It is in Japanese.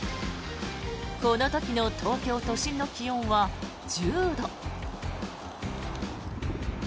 この時の東京都心の気温は１０度。